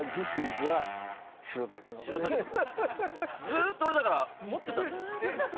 ずっと俺だから持ってたの。